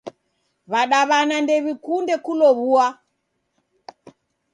W'adaw'ana ndew'ikunde kulow'ua.